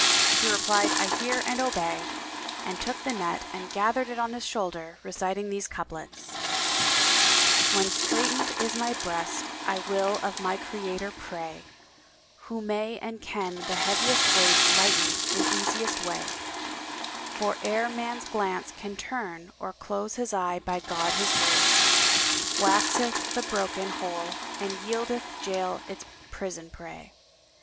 He replied, "I hear and obey," and took the net and gathered it on his shoulder, reciting these couplets, "When straitened is my breast I will of my Creator pray, * Who may and can the heaviest weight lighten in easiest way; For ere man's glance can turn or close his eye by God His grace * Waxeth the broken whole and yieldeth jail its prison prey.